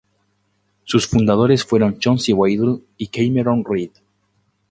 Sus fundadores fueron Chauncey Waddell y Cameron Reed.